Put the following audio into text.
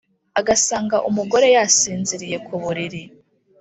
, agasanga umugore yasinziriye kuburiri